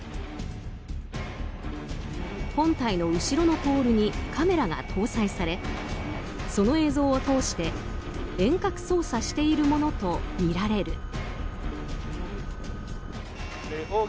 本体の後ろのポールにカメラが搭載されその映像を通して遠隔操作しているものとみられる。